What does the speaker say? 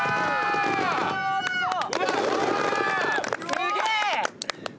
すげえ！